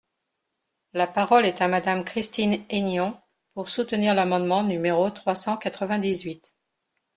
La parole est à Madame Christine Hennion, pour soutenir l’amendement numéro trois cent quatre-vingt-dix-huit.